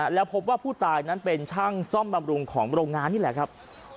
แล้วพบว่าผู้ตายนั้นเป็นช่างซ่อมบำรุงของโรงงานนี่แหละครับ